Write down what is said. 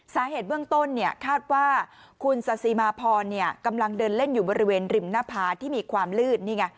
สาเหตุเบื้องต้นคาดว่าคุณซาซีมาพรกำลังเดินเล่นอยู่บริเวณริมหน้าผาที่มีความลื่นนี่ไง